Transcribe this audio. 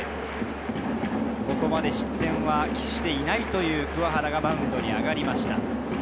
ここまで失点は喫していないという鍬原がマウンドに上がりました。